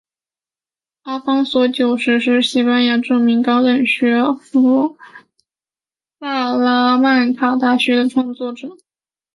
阿方索九世是西班牙著名高等学府萨拉曼卡大学的创建者。